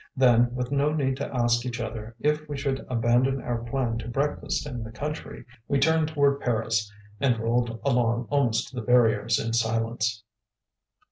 Then, with no need to ask each other if we should abandon our plan to breakfast in the country, we turned toward Paris, and rolled along almost to the barriers in silence.